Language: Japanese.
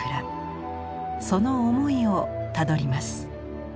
その思いをたどります。